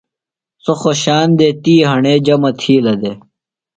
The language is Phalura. سوۡ خوشان دےۡ۔ تی ہݨے جمع تِھیلہ دےۡ۔